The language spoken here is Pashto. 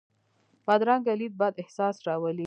بدرنګه لید بد احساس راولي